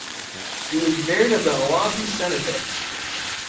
He was buried at the Oahu Cemetery.